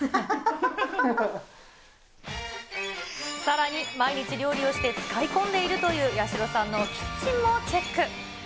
さらに、毎日料理をして使い込んでいるという、やしろさんのキッチンもチェック。